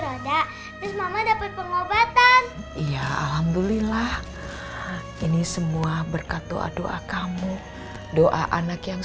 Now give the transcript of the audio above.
ada terus mama dapat pengobatan ya alhamdulillah ini semua berkat doa doa kamu doa anak yang